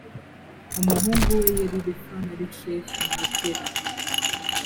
umuhungu we yari refa na reshefu na tela